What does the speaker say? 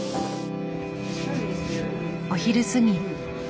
お昼過ぎ。